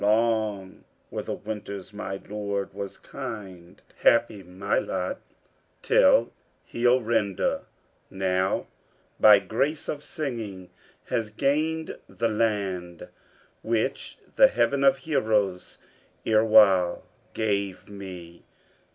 Long were the winters my lord was kind, happy my lot, till Heorrenda now by grace of singing has gained the land which the "haven of heroes" erewhile gave me.